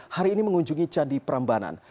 hari ini mengunjungi candi prambanan